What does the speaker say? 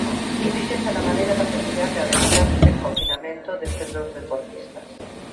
E fíxense na maneira tan peculiar de adestrarse en confinamento destes dous deportistas.